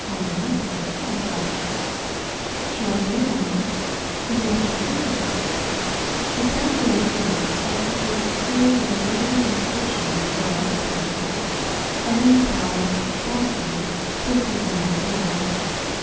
"How delightful," I said. "Shall I do it now? Would you like to see me?" She sprang to her feet, executed a series of amazing contortions for the next ten minutes, and then paused, panting, twisting her long hair.